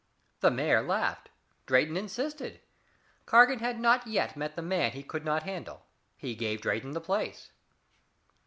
The mayor laughed. Drayton insisted. Cargan had not yet met the man he could not handle. He gave Drayton the place."